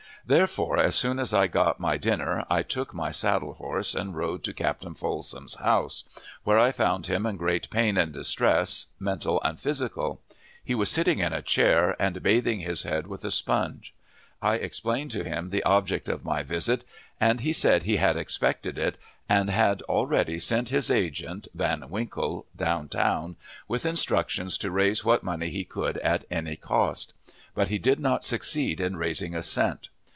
Therefore, as soon as I got my dinner, I took my saddle horse, and rode to Captain Folsom's house, where I found him in great pain and distress, mental and physical. He was sitting in a chair, and bathing his head with a sponge. I explained to him the object of my visit, and he said he had expected it, and had already sent his agent, Van Winkle, down town, with instructions to raise what money he could at any cost; but he did not succeed in raising a cent.